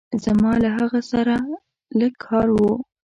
زما له هغه سره لږ کار وه.